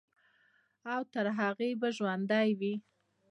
او تر هغې به ژوندے وي،